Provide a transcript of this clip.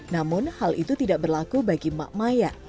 namun hal itu tidak berlaku bagi mak maya